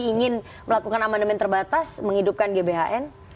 ingin melakukan amandemen terbatas menghidupkan gbhn